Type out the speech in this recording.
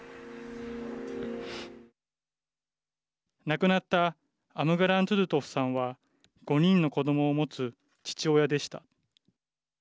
亡くなったアムガラン・トゥドゥトフさんは５人の子どもを持つ父親でした。